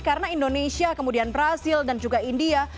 karena indonesia kemudian brazil dan juga india